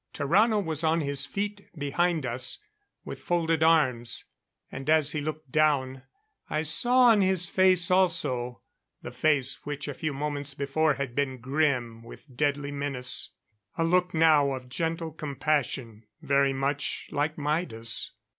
Tarrano was on his feet behind us, with folded arms; and as he looked down, I saw on his face also the face which a few moments before had been grim with deadly menace a look now of gentle compassion very much like Maida's.